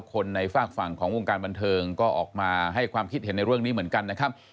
คนในฝากฝั่งของวงการบันเทิงก็ออกมาให้ความคิดเห็นในเรื่องนี้เหมือนกันนะครับ